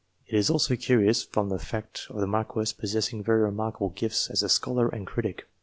It is also curious, from the fact of the Marquess possessing very remarkable STATESMEN 101 gifts as a scholar and critic.